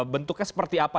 bentuknya seperti apa